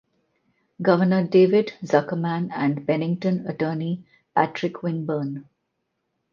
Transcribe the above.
Governor David Zuckerman and Bennington attorney Patrick Winburn.